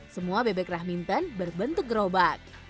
semua bebek rahminton berbentuk gerobak